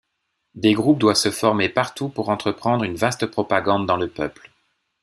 Des groupes doivent se former partout pour entreprendre une vaste propagande dans le peuple.